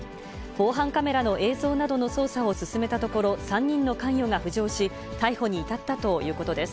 防犯カメラの映像などの捜査を進めたところ、３人の関与が浮上し、逮捕に至ったということです。